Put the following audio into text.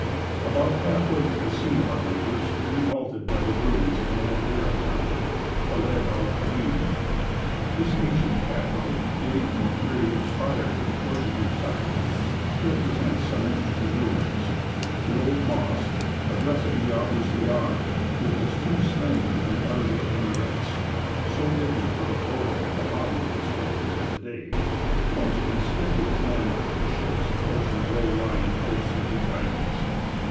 About half way to the scene of our labours we halted by the ruins of the old Arab town, Beled al Kadim. This ancient capital, dating from a period prior to the Portuguese occupation, still presents some interesting ruins. The old mosque (Madresseh i abu Zeidan), with its two slender and elegant minarets, so different from the horrible Wahabi constructions of to day, forms a conspicuous landmark for ships approaching the low lying coasts of these islands.